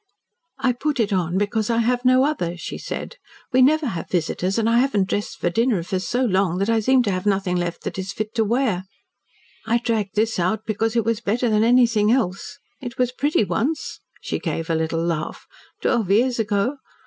"I put it on because I have no other," she said. "We never have visitors and I haven't dressed for dinner for so long that I seem to have nothing left that is fit to wear. I dragged this out because it was better than anything else. It was pretty once " she gave a little laugh, "twelve years ago.